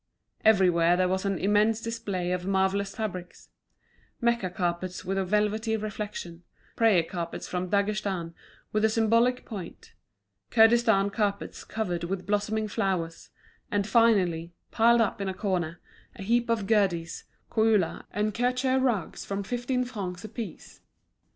Everywhere there was an immense display of marvellous fabrics; Mecca carpets with a velvety reflection, prayer carpets from Daghestan with a symbolic point, Kurdistan carpets covered with blossoming flowers; and finally, piled up in a corner, a heap of Gherdes, Koula, and Kirchur rugs from fifteen francs a piece.